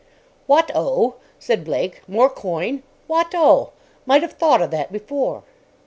"Wot 'o," said Blake. "More coin. Wot 'o. Might 'ave thought o' that before."